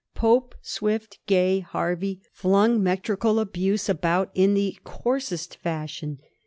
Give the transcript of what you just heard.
Pope, Swift, Gay, Hervey, flung metrical abuse about in the coarsest fashion.